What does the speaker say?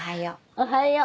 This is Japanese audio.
おはよう。